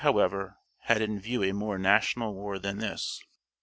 ] Pepin, however, had in view a more national war than this.